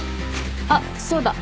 あっそうだ。